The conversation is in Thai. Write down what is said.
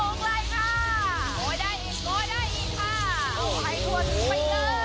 เอาให้ทวนไปเลย